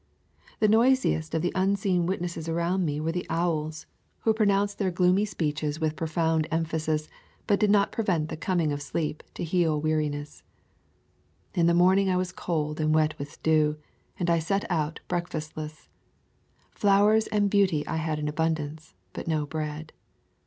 The noisiest of the unseen witnesses around me were the owls, who pro [ 94 | Florida Swamps and Forests nounced their gloomy speeches with profound emphasis, but did not prevent the coming of sleep to heal weariness. In the morning I was cold and wet with dew, and I set out breakfastless. Flowers and beauty I had in abundance, but no bread.